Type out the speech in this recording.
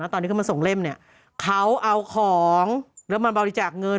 ตอนที่เขามาส่งเล่มเนี่ยเขาเอาของแล้วมาบริจาคเงิน